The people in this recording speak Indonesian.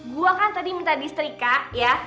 gua kan tadi minta di setrika ya